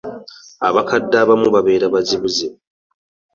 Abakadde abamu babeera bazibuzibu.